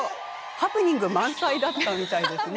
ハプニング満載だったそうです。